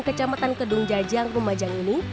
kecamatan kedung jajang lumajang ini